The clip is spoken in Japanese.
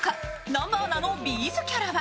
南波アナのＢ’ｚキャラは